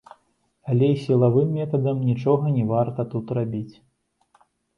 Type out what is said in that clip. Але і сілавым метадам нічога не варта тут рабіць.